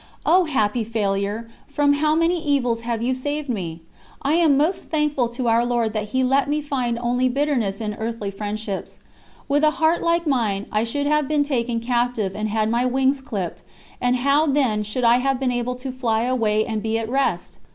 O happy failure, from how many evils have you saved me! I am most thankful to Our Lord that He let me find only bitterness in earthly friendships. With a heart like mine, I should have been taken captive and had my wings clipped, and how then should I have been able to "fly away and be at rest"?